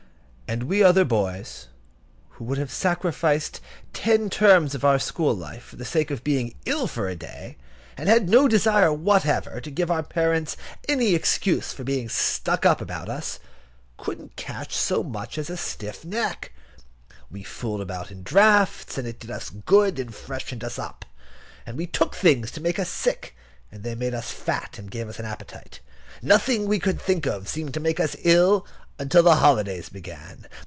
And we other boys, who would have sacrificed ten terms of our school life for the sake of being ill for a day, and had no desire whatever to give our parents any excuse for being stuck up about us, couldn't catch so much as a stiff neck. We fooled about in draughts, and it did us good, and freshened us up; and we took things to make us sick, and they made us fat, and gave us an appetite. Nothing we could think of seemed to make us ill until the holidays began.